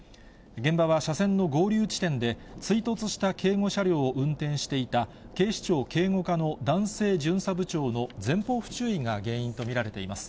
現場は車線の合流地点で、追突した警護車両を運転していた警視庁警護課の男性巡査部長の前方不注意が原因と見られています。